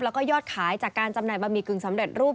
แล้วก็ยอดขายจากการจำหน่ายบะหมี่กึ่งสำเร็จรูป